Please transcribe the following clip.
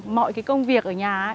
mọi công việc ở nhà